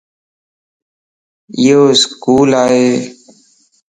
ايو اسڪول ائي